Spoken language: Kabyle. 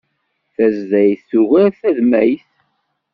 Tazdayt tugar tadmayt